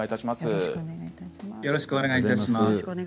よろしくお願いします。